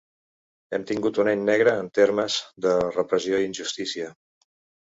Hem tingut un any negre en termes de repressió i injustícia.